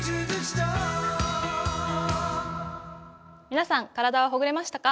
皆さん、体はほぐれましたか？